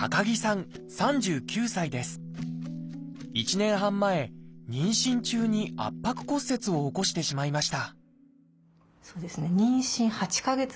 １年半前妊娠中に圧迫骨折を起こしてしまいました